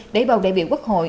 để bầu đại biểu quốc hội